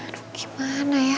aduh gimana ya